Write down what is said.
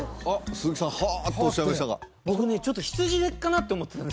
鈴木さん「はあ」っておっしゃいましたが僕ねちょっと羊かなって思ってたんですよ